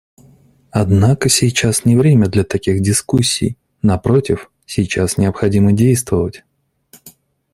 Однако сейчас не время для таких дискуссий; напротив, сейчас необходимо действовать.